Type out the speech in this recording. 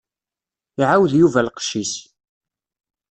Iɛawed Yuba lqecc-is.